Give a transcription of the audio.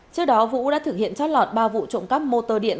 trước đó vũ đã thực hiện chót lọt ba vụ trộm cắp mô tơ điện